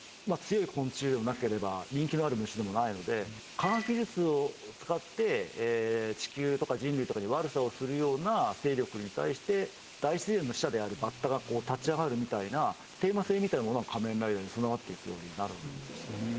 科学技術を使って地球とか人類とかに悪さをするような勢力に対して大自然の使者であるバッタが立ち上がるみたいなテーマ性みたいなものが『仮面ライダー』に備わっていくようになるんですね。